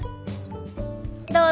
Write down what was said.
どうぞ。